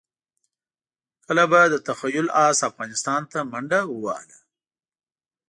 کله به د تخیل اس افغانستان ته منډه ووهله.